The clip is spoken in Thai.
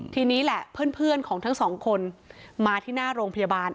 ทีนี้แหละเพื่อนของทั้งสองคนมาที่หน้าโรงพยาบาล